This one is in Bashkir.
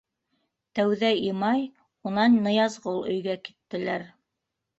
Тәүҙә Имай, унан Ныязғол өйгә киттеләр.